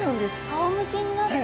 あおむけになって？